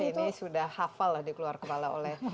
ini sudah hafal lah dikeluar kepala oleh